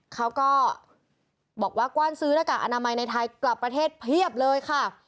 เขาก็บอกว่ากว้านซื้อหน้ากากอนามัยในไทยกลับประเทศเพียบเลยค่ะ